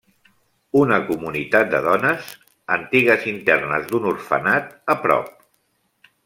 Una comunitat de dones, antigues internes d'un orfenat, a prop.